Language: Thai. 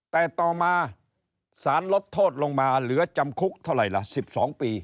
แต่ต่อมาสารลดโทษลงมาเหลือจำคุกเท่าไหร่ล่ะ๑๒ปี